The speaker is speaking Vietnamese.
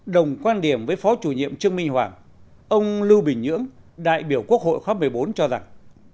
đồng quan điểm với phó chủ nhiệm trương minh hoàng ông lưu bình nhưỡng đại biểu quốc hội khóa một mươi bốn cho rằng